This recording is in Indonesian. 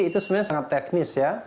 itu sebenarnya sangat teknis ya